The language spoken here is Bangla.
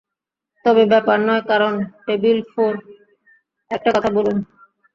তবে ব্যাপার নয় কারণ, টেবিল ফোর, একটা কথা বলুন।